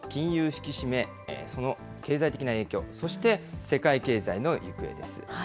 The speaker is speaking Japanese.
引き締め、その経済的な影響、そして世界経済の行方です。